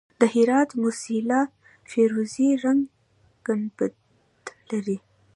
د هرات موسیلا د فیروزي رنګ ګنبد لري